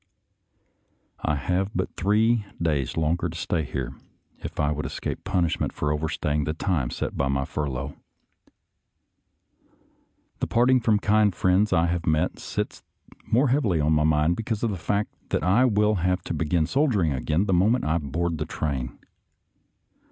I have but three days longer to stay here if I would escape punishment for overstaying the time set by my furlough. The parting from the kind friends I have met sits the more heav ily on my mind because of the fact that I will have to begin soldiering again the moment I board the train.